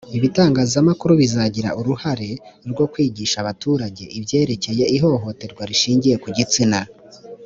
ibitangazamakuru bizagira uruhare rwo kwigisha abaturage ibyerekeye ihohoterwa rishingiye ku gitsina